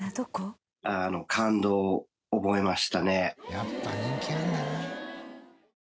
やっぱ、人気なんだな。